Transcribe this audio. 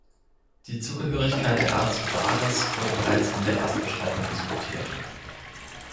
Die Zugehörigkeit der Art zu "Dares" wurde bereits in der Erstbeschreibung diskutiert.